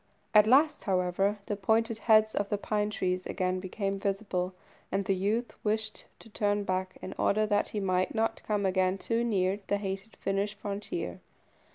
At last, however, the pointed heads of the pine trees again became visible, and the youth wished to turn back, in order that he might not come again too near the hated Finnish frontier.